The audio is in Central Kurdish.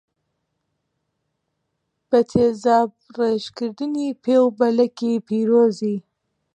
بە تیزابڕێژکردنی پێ و بەلەکی پیرۆزی